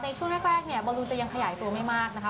ในช่วงแรกเนี่ยบอลลูนจะยังขยายตัวไม่มากนะคะ